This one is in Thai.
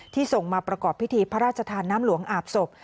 ส่งมาประกอบพิธีพระราชทานน้ำหลวงอาบศพ